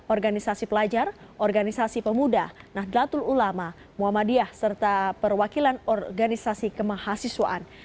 organisasi pelajar organisasi pemuda nahdlatul ulama muhammadiyah serta perwakilan organisasi kemahasiswaan